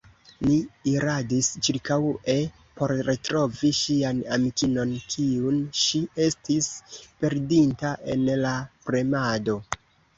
Ni iradis ĉirkaŭe, por retrovi ŝian amikinon, kiun ŝi estis perdinta en la premado.